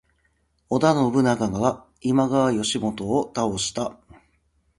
織田信長が今川義元を倒した。